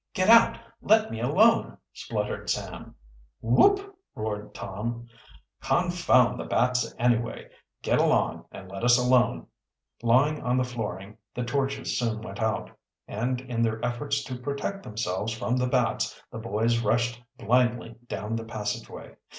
"Get out! Let me alone!" spluttered Sam. "Whoop!" roared Tom. "Confound the bats anyway! Get along and let us alone!" Lying on the flooring the torches soon went out, and in their efforts to protect themselves from the bats the boys rushed blindly down the passageway.